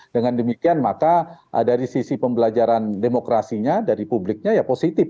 dengan demikian maka dari sisi pembelajaran demokrasinya dari publiknya ya positif